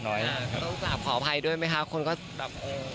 ต้องกลับขออภัยด้วยไหมคะคนก็กลับโอ